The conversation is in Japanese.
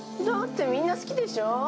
だってみんな好きでしょ。